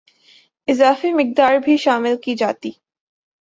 اضافی مقدار بھی شامل کی جاتی